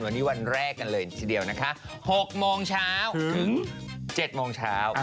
วันนี้วันแรกกันเลยทีเดียวนะคะ๖โมงเช้าถึง๗โมงเช้า